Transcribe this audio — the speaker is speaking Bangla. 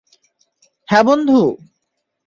হ্যাঁ, বন্ধু!